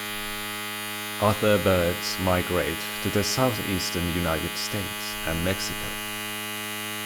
Other birds migrate to the southeastern United States and Mexico.